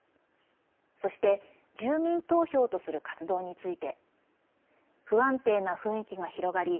そして住民投票とする活動について不安定な雰囲気が広がり